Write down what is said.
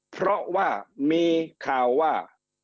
เพราะว่ามีข่าวว่า